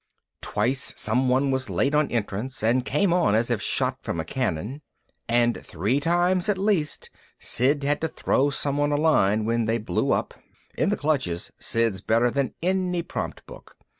Twice someone was late on entrance and came on as if shot from a cannon. And three times at least Sid had to throw someone a line when they blew up in the clutches Sid's better than any prompt book.